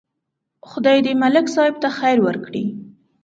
خدای دې ملک صاحب ته خیر ورکړي.